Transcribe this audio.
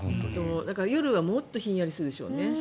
だから夜はもっとひんやりするでしょうね。